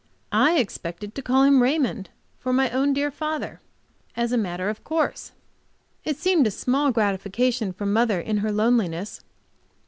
I expected to call him Raymond, for my own dear father, as a matter of course. It seemed a small gratification for mother in her loneliness.